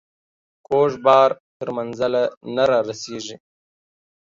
کوږ بار تر منزله نه رارسيږي.